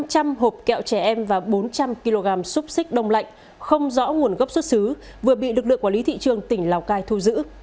năm trăm linh hộp kẹo trẻ em và bốn trăm linh kg xúc xích đông lạnh không rõ nguồn gốc xuất xứ vừa bị lực lượng quản lý thị trường tỉnh lào cai thu giữ